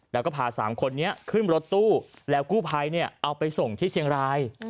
แล้วก็พา๓คนนี้ขึ้นรถตู้แล้วกู้ภัยเอาไปส่งที่เชียงราย